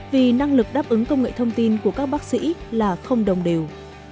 vì năng lực đáp ứng công nghệ thông tin của các bác sĩ là không đồng đều